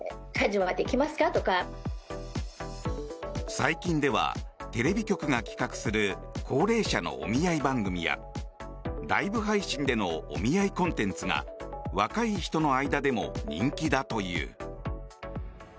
最近では、テレビ局が企画する高齢者のお見合い番組やライブ配信でのお見合いコンテンツが若い人の間でも人気だという。